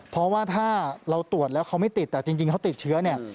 เพราะว่าถ้าเราตรวจแล้วเขาไม่ติดแต่จริงเขาติดเชื้อเนี่ย